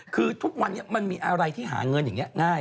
คือทุกวันนี้มันมีอะไรที่หาเงินอย่างนี้ง่าย